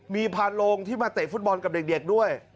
มีพานโรงที่มาเตะฟุตบอลกับเด็กด้วย